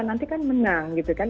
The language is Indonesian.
nanti kan menang gitu kan